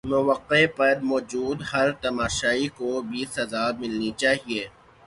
موقع پر موجود ہر تماشائی کو بھی سزا ملنی چاہیے